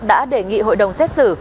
đã đề nghị hội đồng xét xử